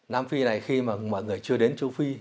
nam phi này khi mà mọi người chưa đến châu phi